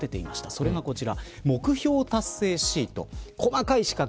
それがこちら。